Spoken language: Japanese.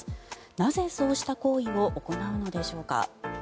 なぜそうした行為を行うのでしょうか。